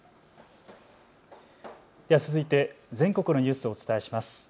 では続いて全国のニュースをお伝えします。